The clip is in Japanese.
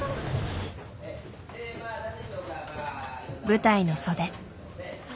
舞台の袖。